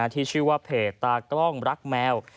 ที่ชื่อว่าเพจตากล้องรักแมว